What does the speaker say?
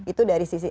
itu dari sisi